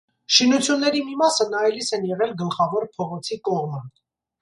Շինությունների մի մասը նայելիս են եղել գլխավոր փողոցի կողմը։